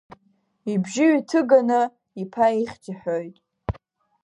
Ибжьы ҩҭыганы иԥа ихьӡ иҳәоит.